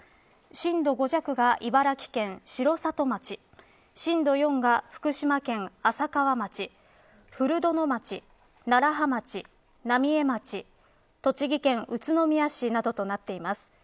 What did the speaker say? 震度５弱が茨城県城里町震度４が福島県アサカワ町フルドノ町楢葉町、浪江町栃木県宇都宮市などとなっています。